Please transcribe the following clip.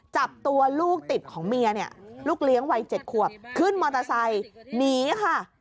จับตัวลูกติดของเมียเนี่ยลูกเลี้ยงวัย๗ขวบขึ้นมอเตอร์ไซค์หนีค่ะ